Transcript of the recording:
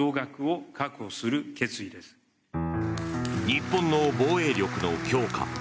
日本の防衛力の強化。